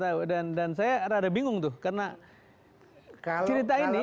saya tidak tahu dan saya agak bingung tuh karena cerita ini